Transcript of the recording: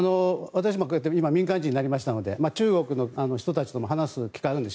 私も民間人になりましたので中国の人たちとも話す機会があるので。